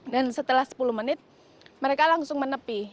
dan setelah sepuluh menit mereka langsung menepi